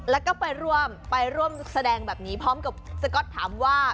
แล้วก็ไปร่วมไปร่วมแสดงแบบนี้พร้อมกับสก๊อตถามว่า